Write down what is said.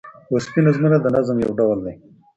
وصفي نظمونه د نظم یو ډول دﺉ.